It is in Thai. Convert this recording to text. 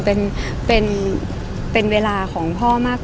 ภาษาสนิทยาลัยสุดท้าย